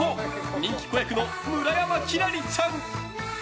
人気子役の村山輝星ちゃん。